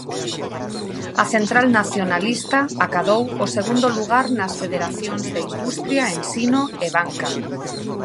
A central nacionalista acadou o segundo lugar nas Federacións de Industria, Ensino e Banca.